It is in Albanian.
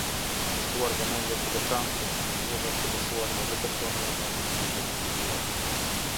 Kushtuar vëmendje të veçantë fëmijëve, të moshuarve dhe personave me aftësi të kufizuara.